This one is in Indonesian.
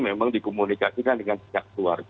memang dikomunikasikan dengan pihak keluarga